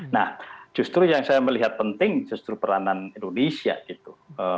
nah justru yang saya melihat penting justru peranan indonesia gitu